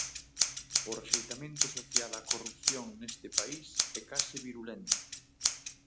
O rexeitamento social á corrupción neste país é case virulento.